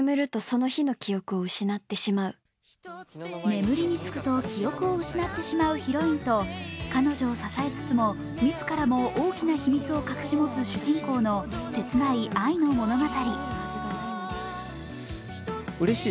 眠りつくと記憶を失ってしまうヒロインと彼女を支えつつも自らも大きな秘密を隠し持つ主人公の切ない愛の物語。